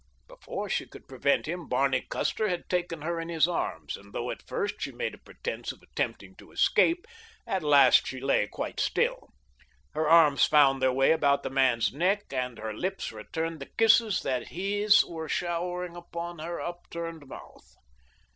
Before she could prevent him, Barney Custer had taken her in his arms, and though at first she made a pretense of attempting to escape, at last she lay quite still. Her arms found their way about the man's neck, and her lips returned the kisses that his were showering upon her upturned mouth.